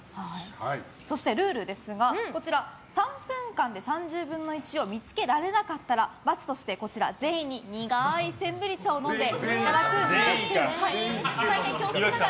そしてルールですが３分間で３０分の１を見つけられなかったら罰として全員に苦いセンブリ茶を飲んでいただくんですが。